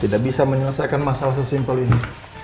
tidak bisa menyelesaikan masalah sesimpel ini